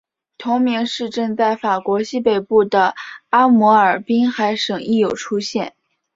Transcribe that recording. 同名市镇在法国西北部的阿摩尔滨海省亦有出现。